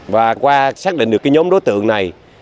và qua xác định được cái nhóm đối tượng này